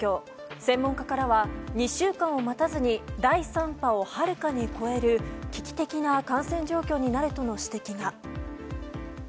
専門家からは２週間を待たずに第３波をはるかに超える危機的な感染状況になるとの指摘が。